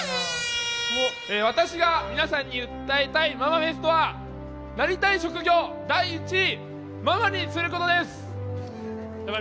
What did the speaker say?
私が皆さんに訴えたいママフェストはなりたい職業第１位ママにすることです。